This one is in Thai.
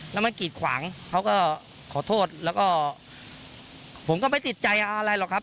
แล้วมันกีดขวางเขาก็ขอโทษแล้วก็ผมก็ไม่ติดใจอะไรหรอกครับ